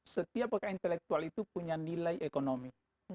setiap pakaian intelektual itu punya nilai ekonomi